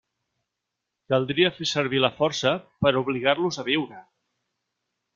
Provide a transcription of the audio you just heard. Caldria fer servir la força per a obligar-los a viure.